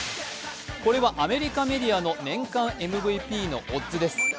これはアメリカメディアの年間ＭＶＰのオッズです。